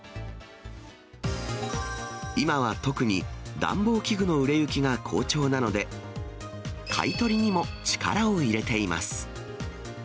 今は特に暖房器具の売れ行きが好調なので、買い取りにも力を入れています。